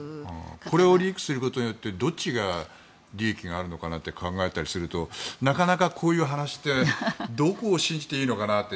これをリークすることによってどっちに利益があるのかなって考えたりするとなかなか、こういう話ってどこを信じていいのかなって。